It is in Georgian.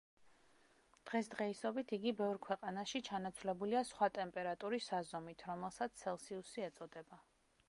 დღეს დღეისობით იგი ბევრ ქვეყანაში ჩანაცვლებულია სხვა ტემპერატურის საზომით რომელსაც ცელსიუსი ეწოდება.